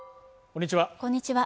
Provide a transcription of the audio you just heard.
こんにちは